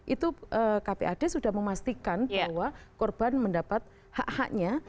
itu kpad sudah memastikan bahwa korban mendapat hak haknya